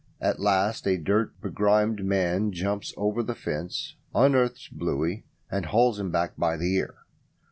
At last a dirt begrimed man jumps over the fence, unearths Bluey, and hauls him back by the ear.